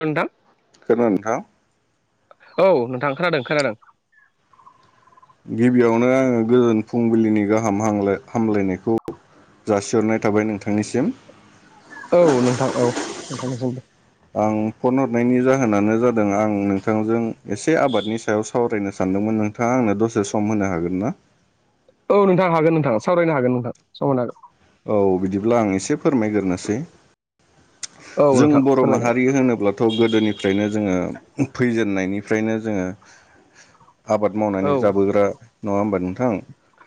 औ नोंथां सोरमोन नोंथां? औ नोंथां खोनादों खोनादों। गिबियावनो आङो गोजोन फुंबिलिनि गाहाम हाम हामलायनायखौ जासिहरनाय थाबाय नोंथांनिसिम। औ नोंथां औ नोंथांनिसिमबो। आं फन हरनायनि जाहोनानो जादों आं नोंथांजों एसे आबादनि सायाव‌ सा सावरायनो सानदोंमोन नोंथाङा आंनो दसे सम होनो हागोन ना? औ नोंथां हागोन नोंथाङा सावरायनो हागोन नोंथां सावरायनो हागोन। औ बिदिब्ला आं एसे फोरमायग्रोनोसै। औ जों नोंथां बर' फोरमायजागोन माहारि होनोब्ला थ' गोदोनिफ्रायनो जोङो फैजेननायनिफ्रायनो जोङो आबाद मावनानै औ जाबोग्रा नङा होमबा नोंथां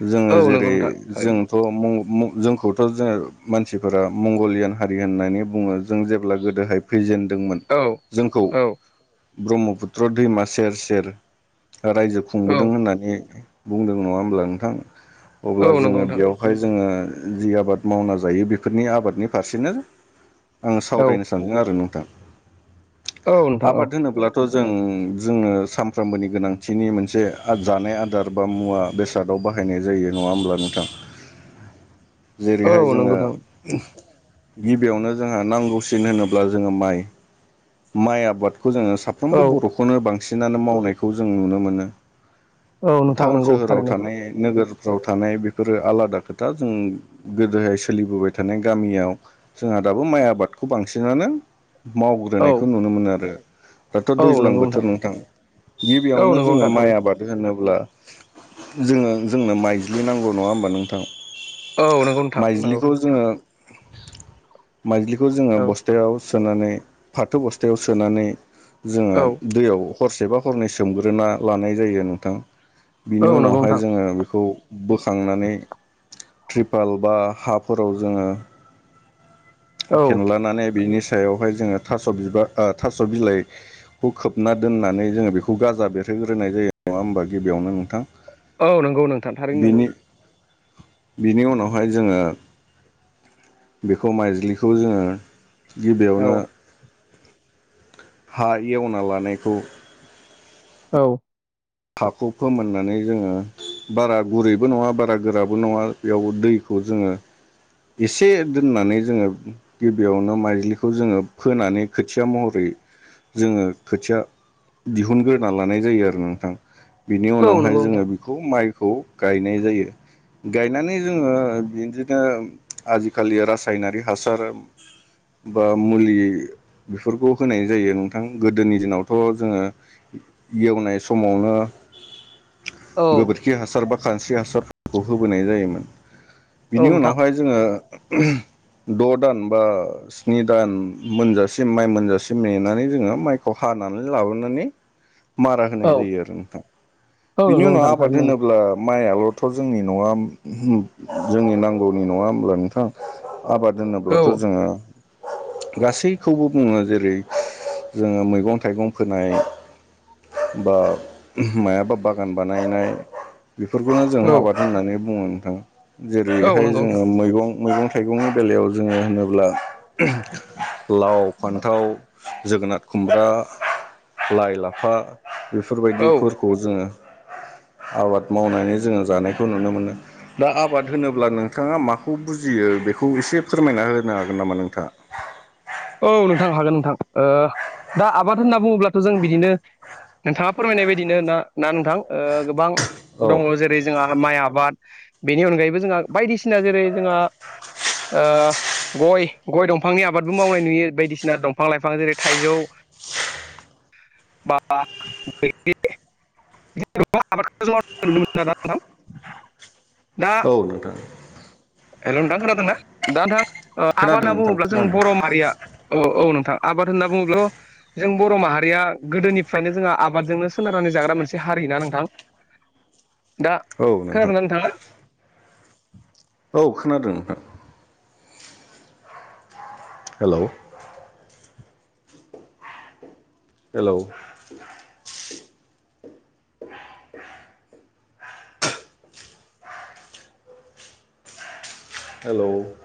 जोङो औ नंगौ जेरै नोंथां जों थारैनो थ' जोंखौथ' जों मानसिफोरा मंगलियान हारि होननानै बुङो। जों जेब्ला गोदोहाय फैजेनदोंमोन औ जोंखौ औ ब्रह्मपुत्र दैमा सेर सेर रायजो औ खुंबोदों होननानै बुंदों नङा होमब्ला नोंथां औ अब्ला नंगौ जोङो बेयाव नोंथां बेवहाय जोङो जि आबाद मावना जायो बेफोरनि आबादनि फारसेनो आं औ सावरायनो सानदों आरो नोंथां औ नोंथां औ आबाद होनोब्ला। थ' जों जोनो सानफ्रामबोनि गोनांथिनि मोनसे जानाय आदार बा मुवा बेसाद सादाव बाहायनाय जायो नङा होमब्ला नोंथां। [inaudible] औ जेरैहाय जोङो नंगौ नोंथां गिबियावनो जोंहा नांगौसिन होनोब्ला जोङो माइ माइ आबादखौ जोङो औ साफ्रोमबो बर' खौनो बांसिनानो मावनायखौ जों नुनो मोनो। औ नोंथां टाउन नंगौ सोहोराव थारैनो थानाय नोगोरफ्राव थानाय बेफोरो आलादा खोथा जों गोदोहाय सोलिबोबाय थानाय गामियाव जोंहा दाबो माइ आबादखौ बांसिनानो औ मावग्रोनायखौ नुनो मोनो दाथ' औ दैज्लां नंगौ बोथोर नोंथां नथां औ गिबियावनो नंगौ जोङो नोंथां माइ थारैनो आबाद होनो होनोब्ला जोङो जोंनो माइज्लि नांगौ नङा होमबा नोंथां? औ नंगौ नोंथां नंगौ माइज्लिखौ जोङोनो माइज्लिखौ जोङो औ बस्थायाव सोनानै फाथो बस्थायाव सोनानै। जोङो औ दैयाव हरसेबा हरनै सोमग्रोना लानाय जायो नोंथां बिनि उनाव। नंगौ बेवहाय औ नोंथां जोङो बेखौ बोखांनानै ट्रिपाल बा हाफोराव जोङो औ फेनलानानै बिनि सायावहाय जोङो थास' बिबार थास' बिलाइ खौ खोबना दोननानै जोङो बेखौ गाजा बेरहोग्रोनाय जायो नङा होमबा गिबियावनो नोंथां। औ नंगौ नोंथां थारैनो नंगौ। बिनि बिनि उनावहायो जोङो बेखौ माइज्लिखौ जोङो औ गिबियावनो हायो एवना लानायखौ औ। हाखौ फोमोननानै जोङो बारा गुरैबो नङा बारा गोराबो नङा बेयाव दैखौ जों एसे दोननानै जोङो गिबियावनो माइज्लिखौ जोङो फोनानै खोथिया महरैनो जोङो खोथिया दिहुनग्रोना लानाय जायो आरो ओ नोंथां बेनि औ नंगौ उनावहाय नोंथां जोङो बेखौ माइखौ गायनाय जायो गायनानै जोङो बिदिनो आजिखालि रासायनारि हासार बा ओ मुलि बेफोरखौ होनाय जायो नोंथां गोदोनि दिनावथ' जोङो ओ एवनाय समावनो ओ औ गोबोरखि हासार बा खानस्रि हासारखौ होबोनाय जायोमोन बिनि औ नोंथां उनावहायो जोङो द' दान बाना स्नि दान मोनजासिम माइ मोनजासिम नेनानै जोङो माइखौ हानानै लाबोनानै हा [inaudible] मारा होनाय औ जायो आरो नोंथां औ बिनि नंगौ उनाव नोंथां आबाद थारैनो नंगौ। होनोब्ला माइ आव थ' जोंनि नङा जोंनि नांगौनि नङा होमब्ला नोंथां अ आबाद औ होनोब्लाथ' जोङो गासैखौबो बुङो जेरै जोङो मैगं थाइगं फोनाय बा मायाबा ओ बागान बानायनाय बेफोरखौनो जों औ आबाद होननानै बुङो नोंथां औ जेरैहाय नंगौ नोंथां जोङो मैगं मैगं थाइगंनि बेलायाव जोङो होनोब्ला ओ लाव, फान्थाव, जोगोनार, खुमब्रा, लाइ, लाफा औ बेफोरबायदिफोरखौ जोङो आबाद मावनानै जोङो जानायखौ नुनो मोनो। दा आबाद होनोब्ला नोंथाङा माखौ बुजियो बेखौ एसे फोरमायना होनो हागोन नामा? औ नोंथां हागोन नोंथां दा आबाद होनना बुङोब्लाथ' जों बिदिनो नोंथाङा फोरमायनाय बायदिनो ना नोंथां गोबां औ दङ जेरै जेरै जोंहा माइ आबाद बेनि अनगायैबो जोंहा बायदिसिना जेरै जोंहा ओ गय गय दंफांनि आबाद मावनाय नुयो बायदिसिना दंफां-लाइफां जेरै थाइजौ बा बैग्रि [unintelligible] आबादखौ मावनायखौ नुनो मोनो आरो नोंथां दा औ नोंथां हेल' नोंथां खोनादोंना दा नोंथां आबाद खोनादों होनना नोंथां बुङोब्ला जों खोनादों बर'माहारिया औ-औ नोंथां आबाद होनना बुङोब्ला जों बर' माहारिया गोदोनिफ्रायनो जोंहा आबादजोंनो सोनारनानै जाग्रा मोनसे हारि ना नोंथां दा औ नोंथां खोनादोंना नोंथाङा औ खोनादों नोंथां हेल' हेलौ [inaudible] हेल'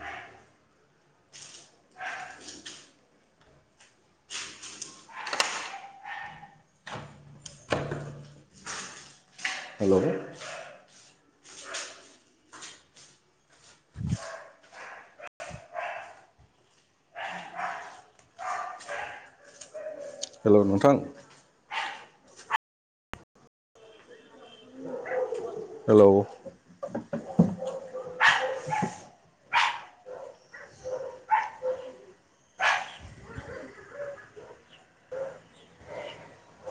हेल' [inaudible] हेल' नोंथां हेलौ